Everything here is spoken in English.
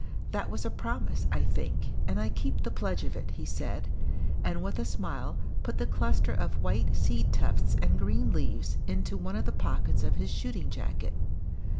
"That was a promise, I think, and I keep the pledge of it," he said, and with a smile put the cluster of white seed tufts and green leaves into one of the pockets of his shooting jacket.